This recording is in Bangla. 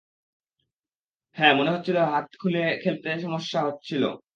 হ্যাঁ, মনে হচ্ছিল হাত খুলে খেলতে কিছুটা সমস্যা হয়েছে।